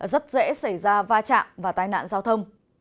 rất dễ xảy ra va chạm và tai nạn giao thông